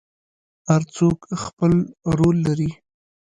هر څوک خپل رول لري